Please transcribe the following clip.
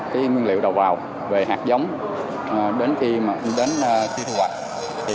cái nguyên liệu đầu vào về hạt giống đến khi thu hoạch